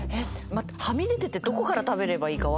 はみ出ててどこから食べればいいか分からない。